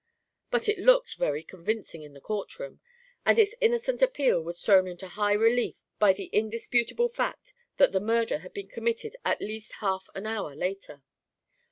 But it looked very convincing in a court room, and its innocent appeal was thrown into high relief by the indisputable fact that the murder had been committed at least half an hour later.